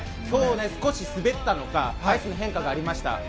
今日は少し滑ったのかアイスの変化がありました。